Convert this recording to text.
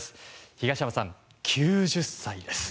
東山さん、９０歳です。